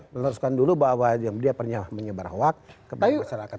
meluruskan dulu bahwa dia pernah menyebar awak kepada masyarakat